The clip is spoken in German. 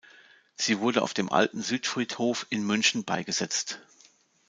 Sie wurde auf dem Alten Südfriedhof in München beigesetzt.